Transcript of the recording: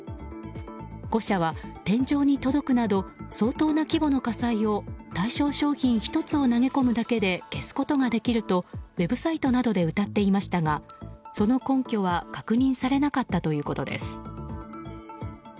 ５社は、天井に届くなど相当な規模の火災を対象商品１つを投げ込むだけで消すことができるとウェブサイトなどでうたっていましたがその根拠は確認されなかったということです。